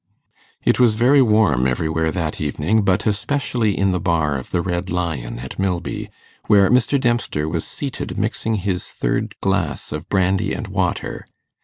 It was very warm everywhere that evening, but especially in the bar of the Red Lion at Milby, where Mr. Dempster was seated mixing his third glass of brandy and water.